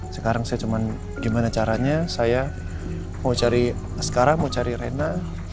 sekarang saya cuma gimana caranya saya mau cari sekarang mau cari rena